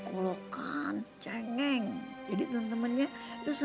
kuatkan hatiku ya allah